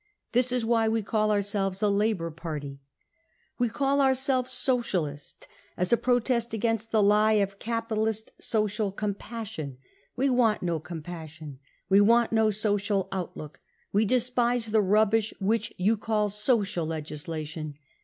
That is why we call ourselves a Labour Party. ... 4 We call ourselves socialist, as a protest against the lie of capitalist social compassion. We want no compassion, we want no social outlook. We despise the rubbish which you call 4 social legislation.